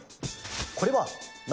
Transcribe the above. これはな